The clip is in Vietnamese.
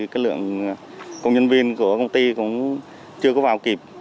công nhân viên của công ty cũng chưa có vào kịp